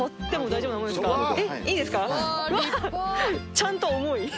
ちゃんと重い。